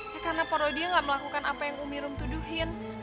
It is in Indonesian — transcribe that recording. ya karena dia gak melakukan apa yang umi rum tuduhin